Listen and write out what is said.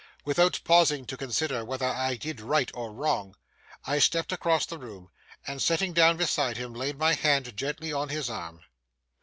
Without pausing to consider whether I did right or wrong, I stepped across the room, and sitting down beside him laid my hand gently on his arm.